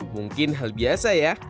mungkin hal biasa ya